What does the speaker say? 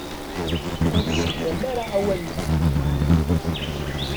Ur sexdam ara awalen-a.